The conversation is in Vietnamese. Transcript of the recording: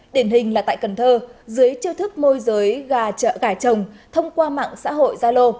điển hình là tại cần thơ dưới chiêu thức môi giới gà trợ gà chồng thông qua mạng xã hội gia lô